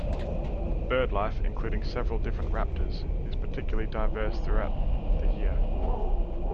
Bird life, including several different raptors, is particularly diverse throughout the year.